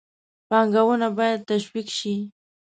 پانګونه باید تشویق شي.